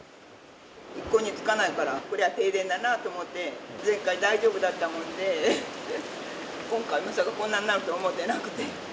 一向につかないから、こりゃ停電だなと思って、前回大丈夫だったもんで、今回、まさかこんなになるとは思ってなくて。